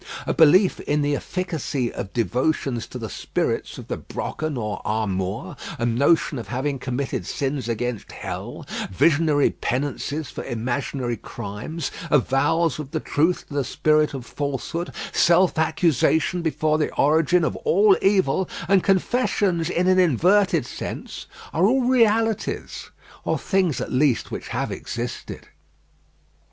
A belief in the efficacy of devotions to the spirits of the Brocken or Armuyr, a notion of having committed sins against hell, visionary penances for imaginary crimes, avowals of the truth to the spirit of falsehood, self accusation before the origin of all evil, and confessions in an inverted sense are all realities, or things at least which have existed.